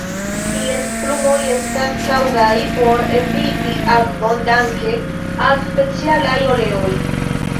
Ties plumoj estas taŭgaj por eviti akvon danke al specialaj oleoj.